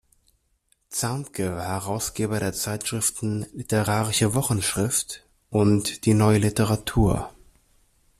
Zarncke war Herausgeber der Zeitschriften „Literarische Wochenschrift“ und „Die Neue Literatur“.